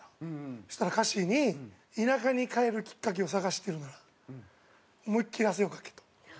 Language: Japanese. そしたら歌詞に「田舎に帰るきっかけを探してるなら思いっきり汗をかけ」と。